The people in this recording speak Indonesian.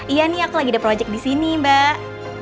iya nih aku lagi ada proyek disini mbak